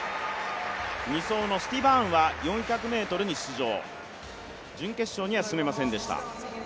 ２走のスティバーンは４００ｍに出場、準決勝には進めませんでした。